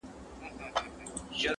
غېږه تشه ستا له سپینو مړوندونو-